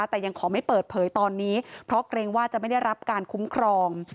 แต่ยังขอไม่เปิดเผยตอนนี้เพราะเกรงว่าจะไม่ได้รับการคุ้มครอง